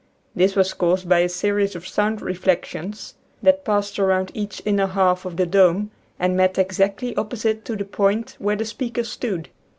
This was caused by a series of sound reflections that passed around each inner half of the dome and met exactly opposite to the point where the speaker stood.